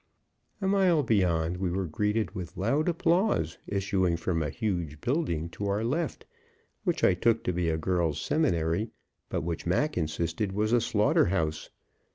A mile beyond we were greeted with loud applause issuing from a huge building to our left, which I took to be a girl's seminary, but which Mac insisted was a slaughter house.